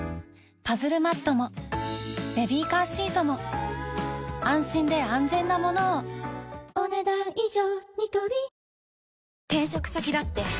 パズルマットもベビーカーシートも安心で安全なものをお、ねだん以上。